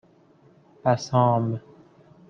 بَسام